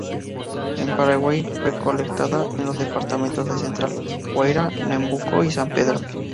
En Paraguay fue colectada en los departamentos de: Central, Guairá, Ñeembucú y San Pedro.